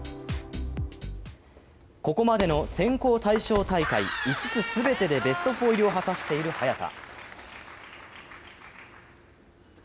ここまでの選考対象大会５つ全てでベスト４入りを果たしている早田。